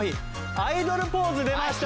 「アイドルポーズ」出ました！